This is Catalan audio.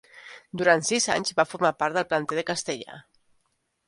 Durant sis anys va formar part del planter castellà.